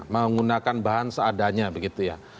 menggunakan bahan seadanya begitu ya